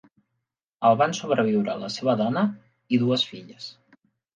El van sobreviure la seva dona i dues filles.